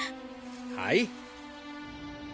はい。